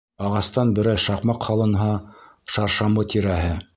Ағастан берәй шаҡмаҡ һалынһа, шаршамбы тирәһе.